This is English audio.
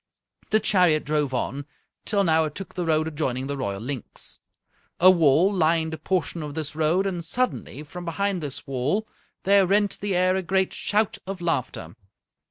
The chariot drove on, till now it took the road adjoining the royal Linx. A wall lined a portion of this road, and suddenly, from behind this wall, there rent the air a great shout of laughter.